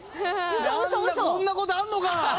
何だこんなことあんのか！